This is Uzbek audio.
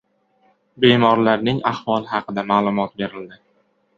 Bemorlarning ahvoli haqida ma’lumot berildi